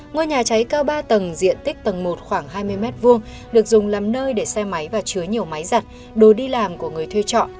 ngôi nhà cháy cao ba tầng diện tích tầng một khoảng hai mươi m hai được dùng làm nơi để xe máy và chứa nhiều máy giặt đồ đi làm của người thuê trọ